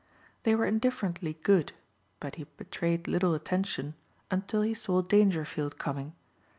They were indifferently good but he betrayed little attention until he saw Dangerfield coming.